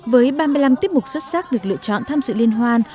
với ba mươi năm tiết mục xuất sắc được lựa chọn tham dự liên hoan